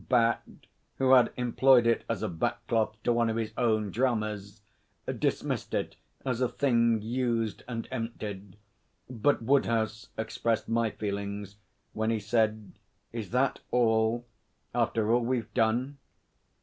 Bat, who had employed it as a back cloth to one of his own dramas, dismissed it as a thing used and emptied, but Woodhouse expressed my feelings when he said: 'Is that all after all we've done?'